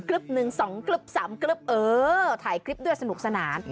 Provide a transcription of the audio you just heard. กลึบหนึ่งสองกลึบสามกลึบเออถ่ายคลิปด้วยสนุกสนาน